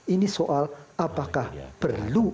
ini soal apakah perlu